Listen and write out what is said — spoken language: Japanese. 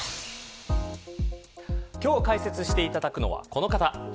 今日解説していただくのはこの方。